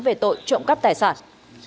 về tội trộm cắp tài sản